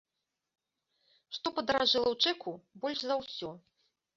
Што падаражэла ў чэку больш за ўсё?